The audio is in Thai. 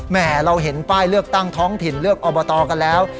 แห่เราเห็นป้ายเลือกตั้งท้องถิ่นเลือกอบตกันแล้ว